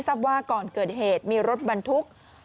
ว่าก่อนเกิดเหตุมีรถบรรทุก